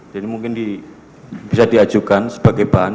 jadi mungkin bisa diajukan sebagai bahan